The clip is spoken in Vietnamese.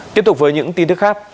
tiếp tục với những tin thức khác